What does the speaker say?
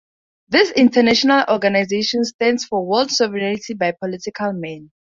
This international organization stands for world sovereignty by political men.